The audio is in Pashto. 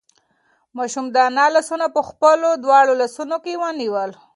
ماشوم د انا لاسونه په خپلو دواړو لاسو کې ونیول.